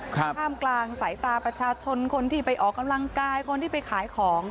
ท่ามกลางสายตาประชาชนคนที่ไปออกกำลังกายคนที่ไปขายของ